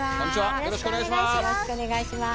よろしくお願いします。